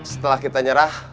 setelah kita nyerah